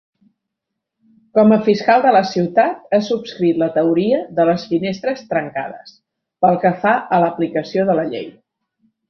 Com a fiscal de la ciutat, ha subscrit la teoria de les "finestres trencades" pel que fa a l'aplicació de la llei.